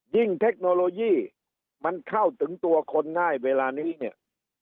เทคโนโลยีมันเข้าถึงตัวคนง่ายเวลานี้เนี่ย